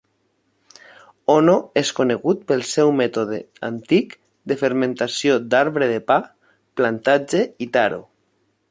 Ono és conegut pel seu mètode antic de fermentació d'arbre de pa, plantatge i taro.